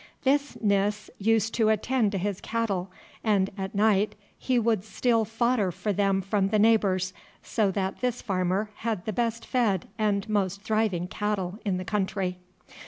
This Nis used to attend to his cattle, and at night he would steal fodder for them from the neighbours, so that this farmer had the best fed and most thriving cattle in the country.